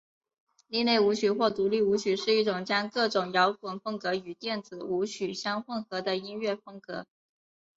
另类舞曲或独立舞曲是一种将各种摇滚风格与电子舞曲相混合的音乐风格。